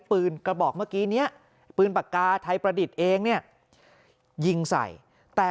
ปืนกระบอกเมื่อกี้เนี้ยปืนปากกาไทยประดิษฐ์เองเนี่ยยิงใส่แต่